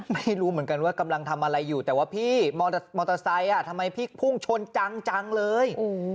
ไม่รู้เหมือนกันว่ากำลังทำอะไรอยู่แต่ว่าพี่มอเตอร์ไซค์ทำไมพี่พุ่งชนจังเลย